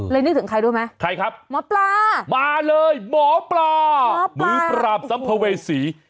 เลยนึกถึงใครด้วยมั้ยหมอปลามาเลยหมอปลาหมือปราบสัมภเวษี